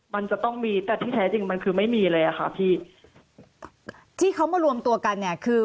มันจะต้องมีแต่ที่แท้จริงมันคือไม่มีเลยอะค่ะพี่ที่เขามารวมตัวกันเนี่ยคือ